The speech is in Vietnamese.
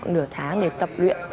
nửa tháng để tập luyện